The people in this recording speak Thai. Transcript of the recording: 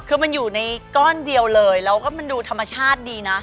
คือมันอยู่ในก้อนเดียวเลยแล้วก็มันดูธรรมชาติดีนะ